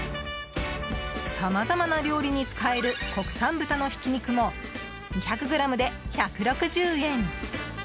さまざまな料理に使える国産豚のひき肉も２００ｇで１６０円。